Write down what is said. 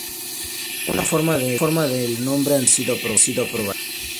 Una forma del nombre anterior ha sido aprobado.